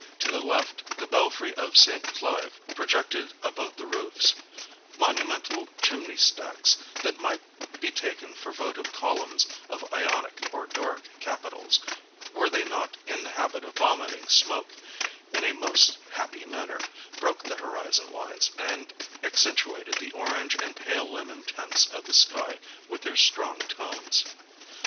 To the left, the belfry of St. Clave projected above the roofs; monumental chimney stacks, that might be taken for votive columns of Ionic or Doric capitals, were they not in the habit of vomiting smoke, in a most happy manner broke the horizon lines, and accentuated the orange and pale lemon tints of the sky with their strong tones.